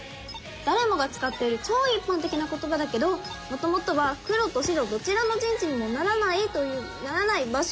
誰もが使っている超一般的な言葉だけどもともとは黒と白どちらの陣地にもならない場所を意味する言葉。